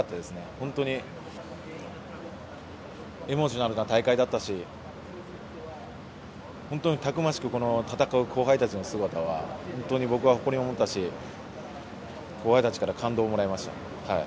本当にエモーショナルな大会だったし本当にたくましく戦う後輩たちの姿は誇りに思ったし後輩たちから感動をもらいました。